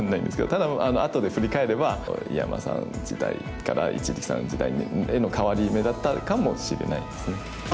ただあとで振り返れば井山さんの時代から一力さんの時代への変わり目だったかもしれないですね。